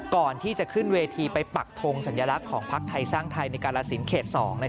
ก่อนที่จะขึ้นเวทีไปปักทงสัญลักษณ์ของพักไทยสร้างไทยในกาลสินเขต๒